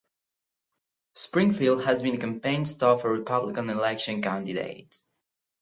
Springfield has been a campaign stop for Republican election candidates.